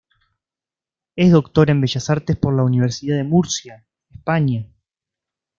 Es doctora en Bellas Artes por la universidad de Murcia, España.